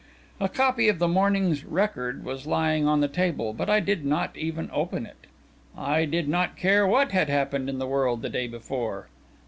A copy of the morning's Record was lying on the table, but I did not even open it. I did not care what had happened in the world the day before!